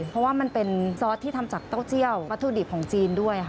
เพราะว่ามันเป็นซอสที่ทำจากเต้าเจียววัตถุดิบของจีนด้วยค่ะ